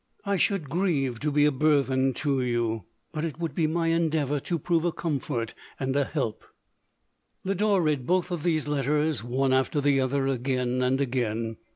I should grieve to be a burthen to you, but it would be my endea vour to prove a comfort and a help. 11 Lodore read both of these letters, one after the other, again and again.